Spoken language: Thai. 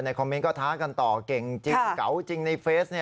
คอมเมนต์ก็ท้ากันต่อเก่งจริงเก๋าจริงในเฟซ